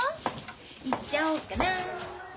言っちゃおっかな。